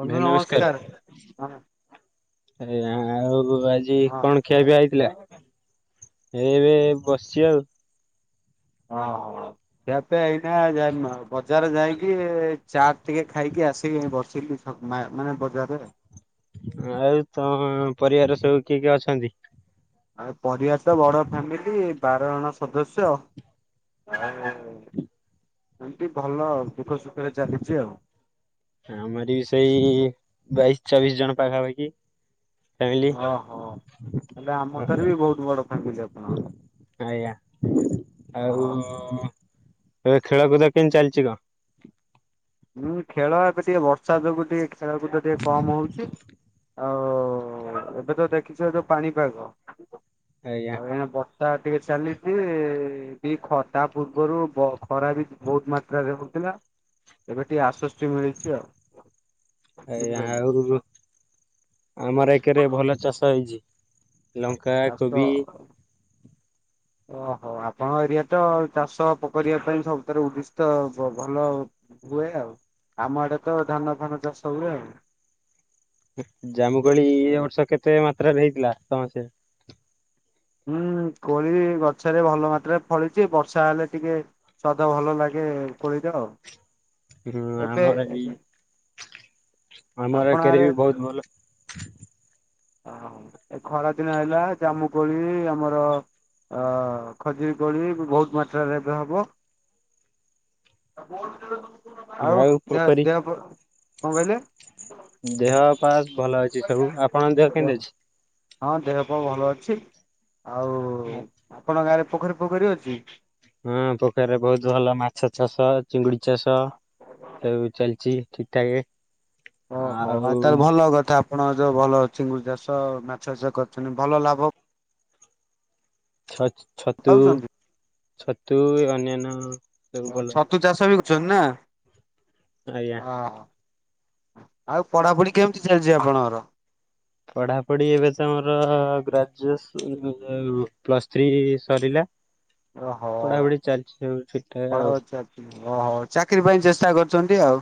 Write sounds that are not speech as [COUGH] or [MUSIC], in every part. ବନ୍ଧୁ ନମସ୍କାର ହଁ। ଆ ଆଉ ଆଜି ହଁ କଣ ଖିଆପିଆ ହେଇଥିଲା ଏ ଏବେ ବସିଚି ଆଉ। ହଁ ହଉ। ଖିଆପିଆ ଏଇନା ଯା ବଜାର ଯାଇକି ଚାଟ୍ ଟିକେ ଖାଇକି ଆସିକି ବସିଲି। ମା ମାନେ ବଜାରରେ। ଆଉ ତମ ପରିବାର ସବୁ କିଏ କିଏ ଅଛନ୍ତି? ଆଉ ପରିବାର ତ ବଡ ଫ୍ୟାମିଲି ବାର ଜଣ ସଦସ୍ୟ ଆ ଏମତି ଭଲ ଦୁଃଖ ସୁଖରେ ଚାଲିଛି ଆଉ। ଆମର ବି ସେଇ ବାଇଶି୍ ଚବିଶ୍ ଜଣ ପାଖାପାଖି। ଫ୍ୟାମିଲି ଓହୋ ହେଲେ ଆମଠାରୁ ବି ବହୁତ ବଡ ହ। ଫ୍ୟାମିଲି ଆପଣଙ୍କର [INAUDIBLE] ଆଜ୍ଞା ଆଉ ଏବେ ଖେଳକୁୁଦ କେମିତି ଚାଲିଛି କଣ? ହୁଁ ଖେଳ ଏବେ ଟିକେ ବର୍ଷା ଯୋଗୁ ଟିକେ ଖେଳକୁୁଦ ଟିକେ କମ୍ ହଉଛି। ଆଉ ଏବେ ତ ଦେଖିଥିବେ ଯୋଉ ପାଣିପାଗ ଆଜ୍ଞା ଆଉ ଏ। ତା ଟିକେ ଚାଲିଛି ଟିକେ ତା ପୂର୍ବରୁ ଖରା ବି ବହୁତ ମାତ୍ରାରେ ହଉଥିଲା। ଏବେ ଟିକେ ଆଶ୍ୱସ୍ତି ମିଳିଛି ଆଉ। ଆ ବୁଝିପାରିଲେ। ଆହୁରି ଆମର ଏକରେ ଭଲ ଚାଷ। ହେଇଛି ଲଙ୍କା ଚାଷ କୋବି। ଓହୋ ଆପଣଙ୍କ ଏରିଆରେ ତ ଚାଷ ପକ ପାଇଁ ସବୁଥିରେ ଉଦ୍ଦିଷ୍ଟ ଭଲ। ହୁଏ ଆଉ ଆମ ଆଡ଼େ ତ ଧାନ ଫାନ ଚାଷ ହୁଏ ଆଉ। ଜାମୁକୋଳି ଏ ବର୍ଷ କେତେ ମାତ୍ରାରେ ହେଇଥିଲା ସମସେ। ହୁଁ କୋଳି ଗଛରେ ଭଲ ମାତ୍ରାରେ ଫଳିଛି ବର୍ଷା ହେଲେ ଟିକେ। ସ୍ଵାଦା ଭଲ ଲାଗେ କୋଳିର ଆଉ। ହୁଁ ଏବେ ଆମର ବି ଆମର ଆପଣ ଏକରେ ଆଡେ ବି ବହୁତ ଭଲ। ଓ ଏ ଖରାଦିନ ହେଲା ଜାମୁକୋଳି ଆମର। ଅ ଖଜୁରୀ କୋଳି ବହୁତ ମାତ୍ରାରେ ଏବେ ହବ। ଆଉ ଦେହ ଦେହ କଣ କହିଲେ? ଦେହ ପାହା ଭଲ ଅଛି ସବୁ ଆପଣଙ୍କ ଦେହ କେମିତି ଅଛି? ହଁ ଦେହ ପେହ ଭଲ ଅଛି ଆଉ ଆପଣଙ୍କ ଗାଁରେ ପୋଖରୀ ପୋଖରୀ ଅଛି? ହଁ ପୋଖରୀରେ ବହୁତ ଭଲ ମାଛ ଚାଷ ଚିଙ୍ଗୁଡ଼ି ଚାଷ ସବୁ ଚାଲିଛି ଠିକ୍ ଠାକ୍ ଓହୋ ଆଉ ତାହେଲେ ଭଲ କଥା ଆପଣ ଯୋଉ ଭଲ ଚିଙ୍ଗୁଡି ଚାଷ ମାଛ ଚାଷ କରୁଛନ୍ତି ଭଲ ଲାଭ ଛ ଛତୁ ପାଉଛନ୍ତି ଛତୁ ଅନ୍ୟାନ୍ୟ ସବୁ ଭଲ ଚନା ଆଜ୍ଞା ଆ ଆଉ ପଢ଼ାପଢ଼ି କେମିତି ଚାଲିଛି ଆପଣଙ୍କର? ପଢ଼ାପଢ଼ି ଏବେତ ମୋର ଗ୍ରାଜୁଏସନ୍ ପ୍ଲସ୍ ଥ୍ରୀ ସରିଲା। ଓହୋ ପଢ଼ାପଢ଼ି ଚାଲିଛି ସବୁ ଠିକ ଠାକ୍ ପଢା ଆଉ ଚାଲିଛି ଓହୋ ଚାକିରି ପାଇଁ ଚେଷ୍ଟା କରୁଛନ୍ତି ଆଉ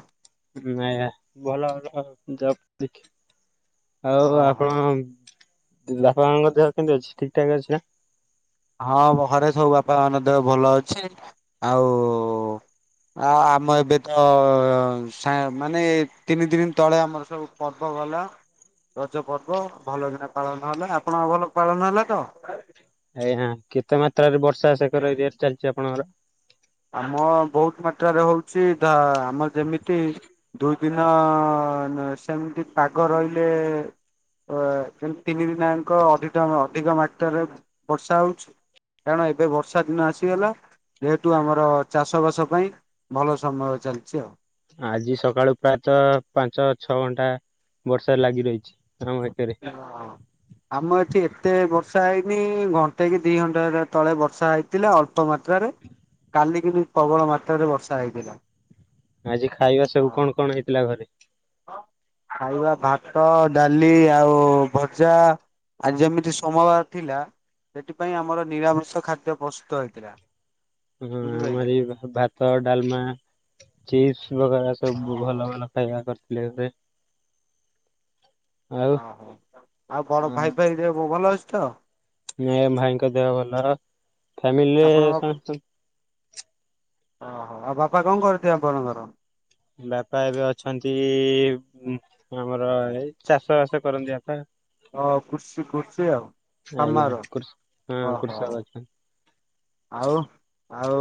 ଆଜ୍ଞା ଭଲ କଥା ଦେହ ପ୍ରତି ଦେଖିକି ଆଉ ଓହୋ ଆପଣଙ୍କ ବାପା ମାଙ୍କ ଦେହ କେମତି ଅଛି ଠିକ୍ ଠାକ୍ ଅଛି ନା? ହଁ ମୋ ଘରେ ସବୁ ବାପା ମାଙ୍କ ଦେହ ଭଲ ଅଛି ଆଉ ଆଉ ଆମ ଏବେ ତ ମା ମାନେ ତିନି ଦିନ ତଳେ ଆମର ସବୁ ପର୍ବ ଗଲା ରଜପର୍ବ ଭଲ କିନା ପାଳନ ହେଲା ଆପଣଙ୍କ ଭଲ ପାଳନ ହେଲା ତ? ଆଜ୍ଞା କେତେ ମାତ୍ରାରେ ବର୍ଷା ସେକର ଏରିଆରେ ଚାଲିଛି ଆପଣଙ୍କର? ଆମ ବହୁତ ମାତ୍ରାରେ ହଉଛି ଧା ଆମର ଯେମିତି ଦୁଇ ଦିନ ସେମିତି ପାଗ ରହିଲେ କିନ୍ତୁ ତିନି ଦିନି ଆଙ୍କ ଅଧିକ ଅଧିକ ମାତ୍ରାରେ ବର୍ଷା ହେଉଛି। କାରଣ ଏବେ ବର୍ଷା ଦିନ ଆସିଗଲା ଠୁ ଆମର ଚାଷବାସ ପାଇଁ ଭଲ ସମୟ ଚାଲିଛି ଆଉ ଆଜି ସକାଳୁ ପ୍ରାୟତଃ ପାଞ୍ଚ ଛଅ ଘଣ୍ଟା ବର୍ଷା ଲାଗି ରହିଛି [UNINTELLIGIBLE] ଓ ଆମ ଏଠି ଏତେ ବର୍ଷା ହେଇନି ଘଣ୍ଟେ କି ଦିଇ ଘଣ୍ଟା ତଳେ ବର୍ଷା ହେଇ ଥିଲା ଅଳ୍ପ ମାତ୍ରାରେ କାଲି କିନ୍ତୁ ପ୍ରବଳ ମାତ୍ରାରେ ବର୍ଷା ହେଇଥିଲା। ଆଜି ଖାଇବା ସବୁ କଣ କଣ ହେଇଥିଲା ଘରେ? ଖାଇବା ଭାତ ଡାଲି ଆଉ ଭଜା। ଆଜି ଯେମିତି ସୋମବାର ଥିଲା ସେଥିପାଇଁ ଆମର ନିରାମିଷ ଖାଦ୍ୟ ପ୍ରସ୍ତୁତ ହେଇଥିଲା। ହଁ ବୁଝିପାରିଲେ? ଆମରି ବି ଭା ଭାତ ଡାଲମା ଚିପ୍ସ ବଗରା ସବୁ ଓହୋ ଭଲ ଭଲ ଖାଇବା କର ଥିଲେ ଏବେ। ଓହ ଆଉ ବଡ ଭାଇ ଫାଇ ଦେହ ଭଲ ଅଛି ତ? ନାଇଁ ଏ ଭାଇଙ୍କ ଦେହ ଭଲ ଫ୍ୟାମିଲିରେ ଆପଣଙ୍କ ସମସ୍ତ ଅ ହ ଆଉ ବାପା କଣ କରନ୍ତି ଆପଣଙ୍କର? ବାପା ଏବେ ଅଛନ୍ତି ଆମର ଏ ଚାଷ ବାସ କରନ୍ତି ବାପା। ଅ କୃଷି କୃଷି ଆଉ ଆଜ୍ଞା କମାର କୃଷ ହଁ ଓ ହଉ। କୃଷକ ଅଛନ୍ତି। ଆଉ ଆଉ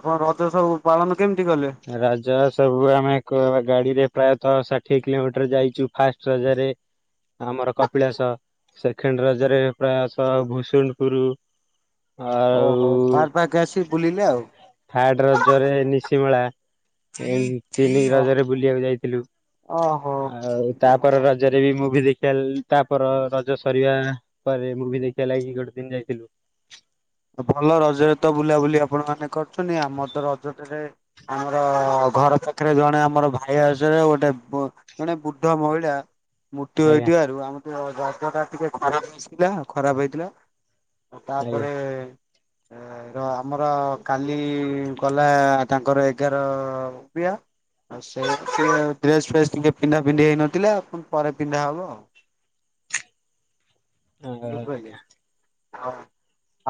ଆପଣ ରଜ ସବୁ ପାଳନ କେମତି କଲେ? ରଜ ସବୁ ଆମେ କ ଗାଡିରେ ପ୍ରାୟତଃ ଷାଠିଏ କିଲୋମିଟର ଯାଇଛୁ ଫାଷ୍ଟ ରଜରେ। ଆମର କପିଳାସ ସେଖେଣ୍ଡ ରଜରେ ପ୍ରାୟ ସ ଭୁସୁଣ୍ଡୁପୁରୁ ଓହୋ ପାର୍କ ଫାର୍କ ଆସି ବୁଲିଲେ ଆଉ। ଥାର୍ଡ ରଜରେ ନିଶିମେଳା। ଏହି ତିନି ଓ ରଜରେ ବୁଲିଆକୁ ଯାଇଥିଲୁ। ଓହୋ ଆଉ ଓହୋ। ତାପର ରଜରେ ବି ମୁଭି ଦେଖିଆ ତାପର ରଜ ସରିଆ ପରେ ମୁଭି ଦେଖିଆ ଲାଗି ଗୋଟେ ଦିନ ଯାଇଥିଲୁ। ଭଲ ରଜରେ ତ ବୁଲାବୁଲି ଆପଣମାନେ କରୁଛନ୍ତି ଆମର ତ ରଜଟାରେ ଆମର ଘର ପାଖେରେ ଜଣେ ଆମର ଭାଇ ଆସରେ ଗୋଟେ ଜଣେ ବୁଢ ମହିଳା ମୃତ୍ୟୁ ଆଜ୍ଞା ହେଇଥିବାରୁ ଆମର ତ ରଜଟା ଟିକେ ଖରାପ ହେଇଥିଲା ଖରାପ ହେଇଥିଲା ଆଜ୍ଞା ତାପରେ ଏ ଏ ର ଆମର କାଲି ଗଲା ତାଙ୍କର ଏଗାର କ୍ରିୟା ଆଉ ସେଥିପାଇଁ ଡ୍ରେସ ଫ୍ରେସ୍ ଟିକେ ପିନ୍ଧା ପିନ୍ଧି ହେଇନଥିଲା ଫୁଣି ପରେ ପିନ୍ଧା ହବ ଆଉ। ବୁଝି ପାଇଲେ ଆଜ୍ଞା ଆଉ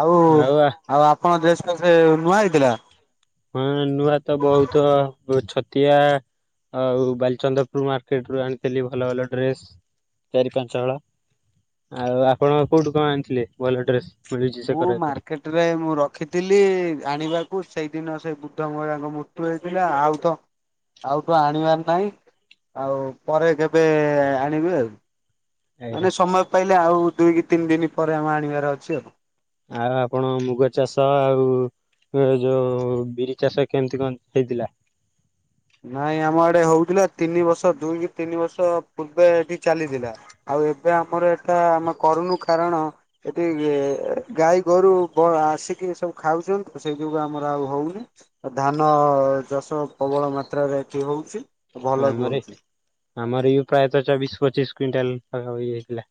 ଆଉ ଆଉ ଆପଣ ଡ୍ରେସ ଫ୍ରେଶ ନୂଆ ହେଇଥିଲା? ହୁଁ ନୂଆ ତ ବହୁତ ଛତିଆ ଆଉ ବାଲିଚନ୍ଦ୍ରପୁର ମାର୍କେଟରୁ ଆଣିଥିଲି ଭଲ ଭଲ ଡ୍ରେସ ଚାରି ପାଞ୍ଚ ହଳ ଆଉ ଆପଣ କୋଉଠୁ କଣ ଆଣିଥିଲେ ଭଲ ଡ୍ରେସ୍? ମିଳୁଛି ସେ ଭୁ କରାରେ ମାର୍କେଟ। ରେ ମୁଁ ରଖିଥିଲି ଆଣିବାକୁ ସେଇଦିନ ସେ ବୁଢ଼ ମହିଳାଙ୍କ ମୃତ୍ୟୁ ହେଇଥିଲା ଆଉ ତ ଆଉ ତ ଆଣିଆର ନାହିଁ ଆଉ ପରେ କେବେ ଆଣିବି ଆଉ। ମାନେ ଆଜ୍ଞା ସମୟ ପାଇଲେ ଆଉ ଦୁଇ କି ତିନ ଦିନି ପରେ ଆମ ଆଣିବାର ଅଛି ଆଉ। ଆ ଆପଣ ମୁଗ ଚାଷ ଆଉ ଏ ଯୋଉ ବିରି ଚାଷ କେମତି କଣ ହେଇଥିଲା? ନାଇଁ ଆମ ଆଡେ ହଉଥିଲା ତିନି ବର୍ଷ ଦୁଇ କି ତିନି ବର୍ଷ ପୂର୍ବେ ଏଠି ଚାଲିଥିଲା। ଆଉ ଏବେ ଆମର ଏଟା ଆମେ କରୁନୁ କାରଣ ଏଠି ଗାଈ ଗୋରୁ ବ ଆସିକି ସବୁ ଖାଉଛନ୍ତି ସେଇ ଯୋଗୁ ଆମର ଆଉ ହଉନି। ଧାନ ଚାଷ ପ୍ରବଳ ମାତ୍ରାରେ ଏଠି ହଉଛି। ଭଲ ବି ଆମର ହଉଛି। ଆମର [UNINTELLIGIBLE] ପ୍ରାୟତଃ ଚବିଶ ପଚିଶ କୁଇଣ୍ଟାଲ ପାଖାପାଖି ହେଇଥିଲା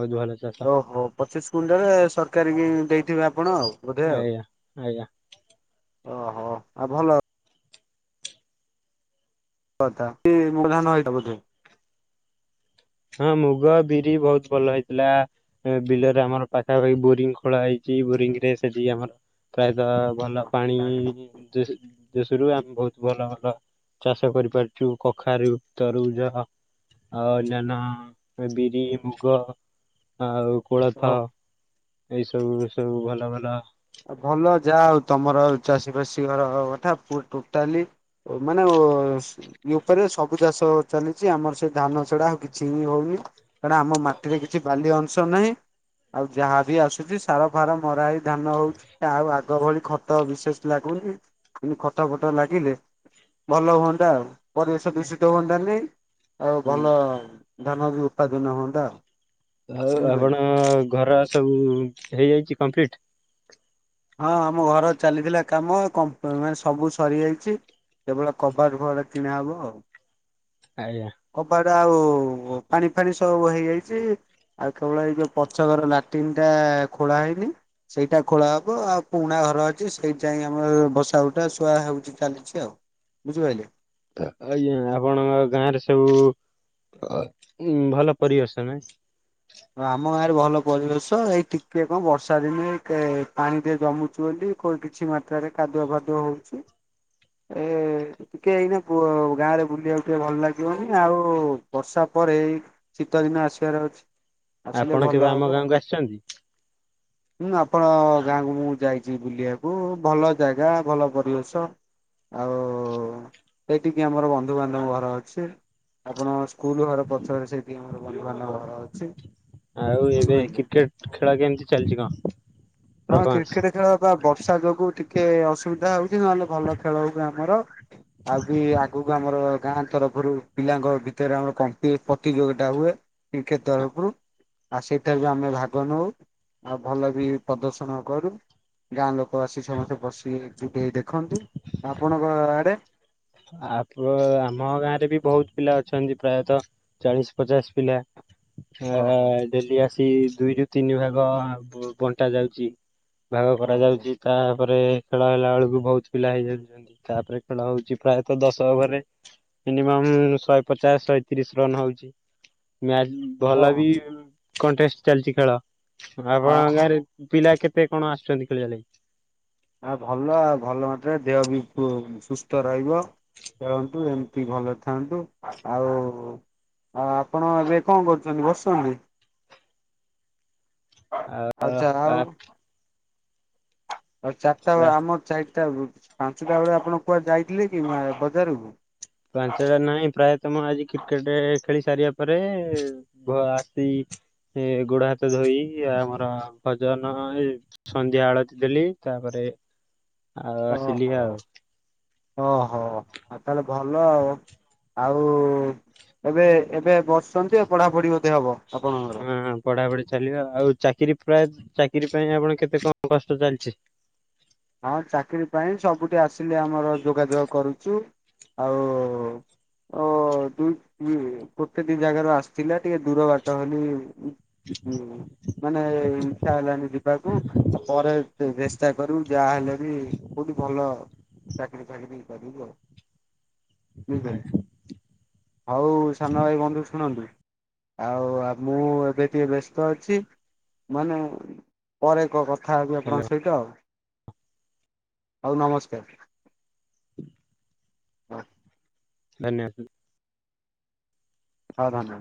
ବହୁତ ଭଲ ଚାଷ ଓହୋ ପଚିଶ କୁଇଣ୍ଟାଲ ସରକାରୀକି ଦେଇଥିବେ ଆପଣ ଆଉ ବୋଧେ ଆଉ। ଆଜ୍ଞା ଆଜ୍ଞା। ଓହୋ ଆଉ ଭଲ କଥା କି ମଧାନ ଆଇଥିବ ବୋଧେ ହୁଁ, ମୁଗ, ବିରି, ବହୁତ୍ ଭଲ ହେଇଥିଲା। ସେବିଲରେ ଆମର ପାଖାପାଖି ବୋରିଂ ଖୋଳା ହେଇଚି ବୋରିଂ ରେ ସେଠିକି ଆମର୍ ପ୍ରାୟତଃ ଭଲ ପାଣି [UNINTELLIGIBLE] ଦେଶରୁୁ ଆମ୍ବ ବହୁତ ଭଲ ଭଲ ଚାଷ କରିପାରୁଛୁ କଖାରୁ, ତରୁଭୁଜ, ହାଁ ଆଉ ଅନ୍ୟାନ ବିରି, ମୁଗ, ଆଉ ଓହୋ କୋଳଥ। ଏଇ ସବୁ ସବୁ ଭଲ ଭଲ ଭଲ ଯାହା ହେଉ ତମର ଚାଷୀ ବାଷୀଙ୍କର କଥା [UNINTELLIGIBLE] ଟୋଟାଲି ଓ ମାନେ ଓ ଇ ଉପରେ ସବୁ ଚାଷ ଚାଲିଛି ଆମର ସେ ଧାନ ସେଡା ଆଉ କିଛି ହଉନି କାରଣ ଆମ ମାଟିରେ କିଛି ଭଲ ଅଂଶ ନାହିଁ। ଆଉ ଯାହା ବିି ଆସୁଛି ସାର ଫାର ମରା ହେଇ ଧାନ ହଉଚ୍ ପା [UNINTELLIGIBLE] କଣ କୁହନି ଖଟା ବିଶେଷ ଲାଗୁନି ଖଟା ଫଟା ଲାଗିଲେ ଭଲ ହୁଅନ୍ତା ଆଉ ପରିବେଶ ଦୂଷିତ ହୁଅନ୍ତାନି ଆଉ ହୁଁ ଭଲ ଧାନ ବି ଉତ୍ପାଦନ ହୁଅନ୍ତା ଆଉ। ଆଉ ବୁଝିପାରିଲେ। ଆପଣ ଘର ସବୁ ହେଇଯାଇଛି କମ୍ପ୍ଲିଟ୍। ହଁ ଆମ ଘର ଚାଲିଥିଲା କାମ କମ୍ପ୍ ମାନେ ସବୁ ସରିଯାଇଛି। କେବଳ କବାର [UNINTELLIGIBLE] କିଣାହବ ଆଉ ଆଜ୍ଞା କବାଟ ଆଉ ପାଣି ଫାଣି ସବୁ ହେଇଯାଇଛି। ଆଉ କେବଳ ଏଇ ଯୋଉ ପଛ ଘର ଲାଟ୍ ରିଙ୍ଗ୍ ଟା ଖୋଳା ହେଇନି। ସେଇଟା ଖୋଳା ହବ ଆଉ ପୁରୁଣା ଘର ଅଛି ସେଇ ଟାହିଁ ଆମର ବସା ଉଠା ଶୁଆ ହେଉଛି ଚାଲିଛି ଆଉ। ବୁଝି ପାହିଲେ ଆହାଁ [UNINTELLIGIBLE] ଗାଁରେ ସବୁ ଆହାଁ ଉଁ ଭଲ ପରିବେଶ ନାଇଁ ହଁ, ଆମ ଗାଁରେ ଭଲ ପରିବେଶ ଏଇ ଟିକେ କଣ ବର୍ଷା ଦିନେ ପାଣି କେ ପାଣି ଟିକେ ଜମୁଛି ବୋଲି। କଣ କିଛି ମାତ୍ରାରେ କାଦୁଆ ଫାଦୁଆ ହେଉଛି ଏ ଟିକେ ଏଇନାକେ କୁଅ ଗାଁରେ ବୁଲିବାକୁ ଟଠେ ଭଲ ଲାଗିବନି ଆଉ ବର୍ଷା ପରେ ଶୀତ ଦିନ ଆସିବାର ଅଛ୍। ଆପଣ କେବେ ଆମ ଗାଁକୁ ଆସିଛନ୍ତି? ଉଁ ଆପଣ ଗାଁକୁ ମୁଁ ଯାଇଚି ବୁଲିବାକୁ ଭଲ ଜାଗା ଭଲ ପରିବେଶ। ଆଉ ଏଇଟି କିଏ ଆମର ବନ୍ଧୁ ବାନ୍ଧବ ଘର ଅଛି। ଆପଣ ସ୍କୁଲ୍ ଘର ପଛରେ ସେଇଠି ଆମର ବନ୍ଧୁବାନ୍ଧବ ଘର ଅଛି। ଆଉ ଏବେ ବୁଝିପାରିଲେ। କ୍ରିକେଟ୍ ଖେଳ କେମ୍ତି ଚାଲିଛି କଣ? ହଁ ପରଫମାନ୍ସ? କ୍ରିକେଟ୍ ଖେଳ ବା ବର୍ଷା ଯୋଗୁ ଟିକେ ଅସୁବିଧା ଆଉ। କି ନହେଲେ ଭଲ ଖେଳ ହଉ ଆମର ଆଉ ବି ଆଗକୁ ଆମର--ଗାଁ ଗାଁ ତରଫରୁ ପିଲାଙ୍କ ଭିତରେ ଆମର କମ୍ପି ପ୍ରତିଯୋଗିତା ହୁଏ କ୍ରିକେଟ୍ ତରଫରୁ। ଆଉ ସେଇଠାରେ ବି ଆମେ ଭାଗ ନଉ ଆଉ ଭଲ ବି ପ୍ରଦର୍ଶନ କରୁ ଗାଁ ଲୋକ ଆସି ସମସ୍ତେ ବସ ଟିକେ ଟିକେ ଦେଖନ୍ତୁ ଆପଣଙ୍କ ଆଡ଼େ। ଆପ୍ର ଆମ ଗାଁରେ ବି ବହୁତ୍ ପିଲା ଅଛନ୍ତି ପ୍ରାୟତଃ ଚାଳିଶ ପଚାଶ ପିଲା। ହଁ ହଁ [UNINTELLIGIBLE] ଡେଲି ଆସିକି ଦୁଇରୁୁ ତିନି ଭାଗ ବଣ୍ଟା ଯାଉଚି। ଆଉ ହଁ ଭାରା ହଉ ଯାଉଚି ତାପରେ ଖେଳ ହେଲାବେଳକୁ ବହୁତ୍ ପିଲା ହେଇଯାଉଛନ୍ତି ତାପରେ ଖେଳ ହେଉଚି। ପ୍ରାୟତଃ ଦଶ ଓଭରରେ ମିନିମମ୍ ଶହେ ପଚାଶ ଶହେ ତିରିଶ ରନ୍ ହଉଛି। ମ୍ୟାଚ୍ ଓ ହୋ ଭଲ ବି କଣ୍ଟେଷ୍ଟ ଚାଲିଛି ଖେଳ ଆପଣ ହଁ ହଁ। ଗାଁରେ ପିଲା କେତେ କଣ ଆସୁଛନ୍ତି ଖେଳିିବାଲାଗି? ଆ ଭଲ ଭଲ ମାତ୍ରେ ଦେହ ବି ସୁସ୍ଥ ରହିବ। ଖେଳନ୍ତୁ ଏମିତି ଭଲ ଥାନ୍ତୁ ଆଉ ଆ ଆପଣ ଏବେ କଣ କରୁଛନ୍ତି? ବସୁଛନ୍ତି। ଆଉ ଆଉ ଚା ଆଉ [INAUDIBLE] ଆଉ ଚାରିଟା ଆଉ ଆମ ଚାରିଟା ପାଞ୍ଚଟା ବେଳେ ଆପଣ କୁଆଡେ ଯାଇଥିଲେ କି ବଜାରକୁ? ପାଞ୍ଚଟା ନାଇଁ ପ୍ରାୟତମ ଆଜି କ୍ରିକେଟେ ଖେଳି ସାରିବା ପରେ ଆସି ଏ ଗୋଡ ହାତ ଧୋଇ ଆମର ଭଜନ ଏ ସନ୍ଧ୍ୟା ଆଳତି ଦେଲି ତାପରେ ଆଉ ଆସିଲି ଓହୋ ଆଉ। ଓହୋ ଆଉ ତାହେଲେ ଭଲ ଆଉ। ଆଉ ଏବେ ଏବେ ବସୁଛନ୍ତି ଏ ପଢ଼ାପଢ଼ି ବୋଧେ ହବ ଆପଣ ହଁ ପଢାପଢି ଚାଲିବ ଆଉ ଚାକିରି ପ୍ରାୟ ଚାକିରି ପାଇଁ ଆପଣ କେତେ କଣ କଷ୍ଟ ଚାଲିଛି? ହଁ ଚାକିରି ପାଇଁ ସବୁଠି ଆସିଲେ ଆମର ଯୋଗାଯୋଗ କରୁଛୁ ଆଉ ଓ ଦୁଇ ଗୋଟେ ଦି ଜାଗାରୁ ଆସିଥିଲା ଟିକେ ଦୂର ବାଟ ବୋଲି ହୁଁ ମାନେ ଇଚ୍ଛା ହେଲାନି ଯିବାକୁ ଆଉ ପରେ ଚେଷ୍ଟା କରୁ ଯାହା ହେଲେ ବି କୋଉଠି ଭଲ ଚାକିରି ଫାକିରି କରିବୁ ଆଉ। ହୁଁ ହୁଁ ଆଉ ସାନ ଭାଇ ବନ୍ଧୁ ଶୁଣନ୍ତୁ। ଆଉ ମୁଁ ଏବେ ଟିକେ ବ୍ୟସ୍ତ ଅଛି ମାନେ ପରେ କ କଥା ହେବି ହ୍ୟାଲୋ ଆପଣଙ୍କ ସହିତ ଆଉ। ହଉ ନମସ୍କାର। ହଁ। ଧନ୍ୟ [UNINTELLIGIBLE] ହୋଉ [UNINTELLIGIBLE]